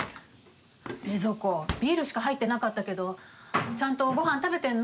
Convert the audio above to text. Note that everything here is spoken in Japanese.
冷蔵庫ビールしか入ってなかったけどちゃんとご飯食べてんの？